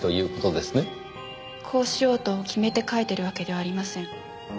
こうしようと決めて描いてるわけではありません。